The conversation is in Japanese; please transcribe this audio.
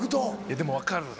でも分かるな。